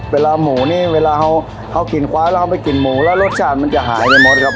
เวลาหมูนี่เวลาเขาเอากลิ่นคว้าแล้วเอาไปกลิ่นหมูแล้วรสชาติมันจะหายไปหมดครับ